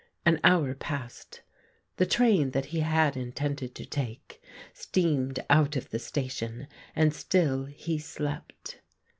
An hour passed. The train that he had intended to take steamed out of the station, and still he slept.